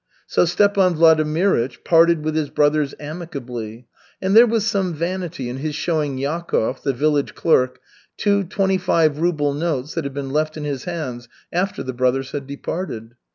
So Stepan Vladimirych parted with his brothers amicably. And there was some vanity in his showing Yakov, the village clerk, two twenty five ruble notes that had been left in his hands after the brothers had departed.